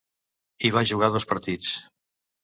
Hi va jugar dos partits.